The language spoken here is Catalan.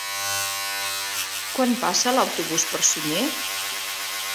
Quan passa l'autobús per Sunyer?